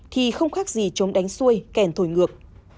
thì không khác gì chống đánh xuôi kèn thổi ngược